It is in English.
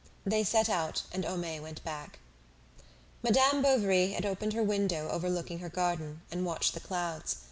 They set out, and Homais went back. Madame Bovary had opened her window overlooking the garden and watched the clouds.